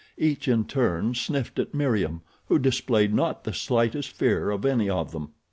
Each in turn sniffed at Meriem who displayed not the slightest fear of any of them.